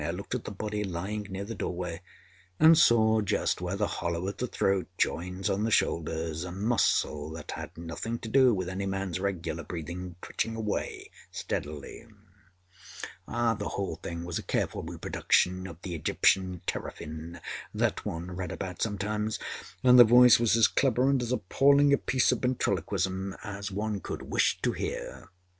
I looked at the body lying near the doorway, and saw, just where the hollow of the throat joins on the shoulders, a muscle that had nothing to do with any man's regular breathing, twitching away steadily. The whole thing was a careful reproduction of the Egyptian teraphin that one read about sometimes and the voice was as clever and as appalling a piece of ventriloquism as one could wish to hear.